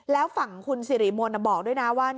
แล้วฝั่งคุณสิริมนต์บอกด้วยนะว่า